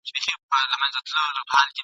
پل به له نسیمه سره اخلو څوک مو څه ویني؟ !.